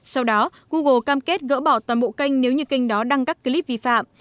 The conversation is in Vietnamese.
sau đó google cam kết gỡ bỏ toàn bộ kênh nếu như kênh đó đăng các clip vi phạm